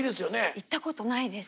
行ったことないです。